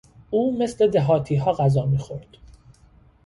او مثل دهاتیها غذا میخورد.